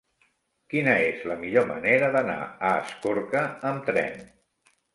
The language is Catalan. Quina és la millor manera d'anar a Escorca amb tren?